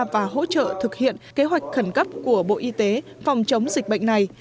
và hỗ trợ thực hiện kế hoạch khẩn cấp của bộ y tế phòng chống dịch bệnh này